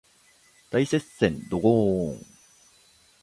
大接戦ドゴーーン